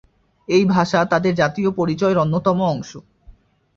এই ভাষা তাদের জাতীয় পরিচয়ের অন্যতম অংশ।